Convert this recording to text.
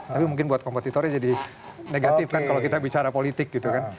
tapi mungkin buat kompetitornya jadi negatif kan kalau kita bicara politik gitu kan